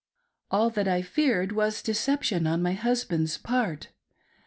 All that I feared was deception on my husband's part.